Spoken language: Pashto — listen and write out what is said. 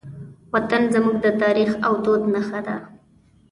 وطن زموږ د تاریخ او دود نښه ده.